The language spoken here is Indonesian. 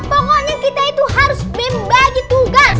pokoknya kita itu harus membagi tugas